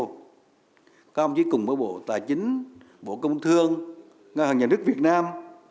các ông chí cùng với bộ tài chính bộ công thương ngoại hành nhà nước việt nam